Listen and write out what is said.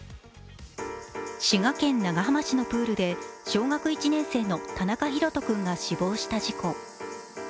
滋賀県長浜市のプールで小学１年生の田中大翔君が死亡した事故。